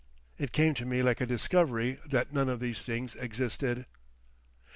It came to me like a discovery that none of these things existed.